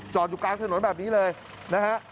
อยู่กลางถนนแบบนี้เลยนะฮะ